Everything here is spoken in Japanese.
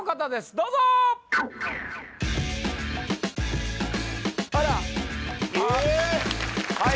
どうぞあらはい